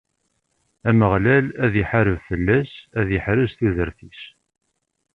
Ameɣlal ad iḥareb fell-as, ad iḥrez tudert-is.